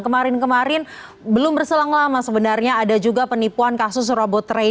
kemarin kemarin belum berselang lama sebenarnya ada juga penipuan kasus robot train